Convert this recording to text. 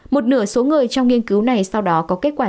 một nửa số người trong nghiên cứu này sau đó có kết quả